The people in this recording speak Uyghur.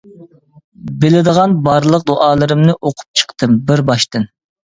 بىلىدىغان بارلىق دۇئالىرىمنى ئوقۇپ چىقتىم بىر باشتىن.